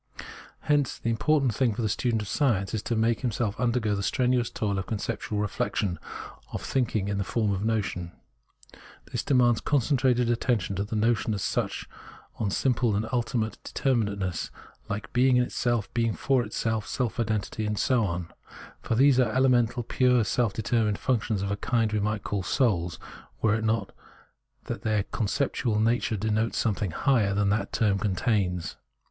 Hence the important thing for the student of science is to make himself undergo the strenuous toil of conceptual I'eflection, of thinking in the form of the notion. This demands concentrated attention on the notion as such, on simple and ultimate determinations like being in itself, being for itself, self identity, and so on ; for these are elemental, pure, self determined functions of a kind we might call souls, were it not that their con ceptual nature denotes something higher than that term contains.